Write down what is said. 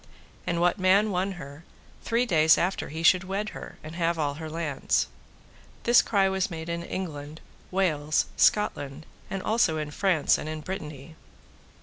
And what man won her, three days after he should wed her and have all her lands. This cry was made in England, Wales, Scotland, and also in France and in Brittany.